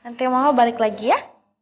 nanti mama balik lagi ya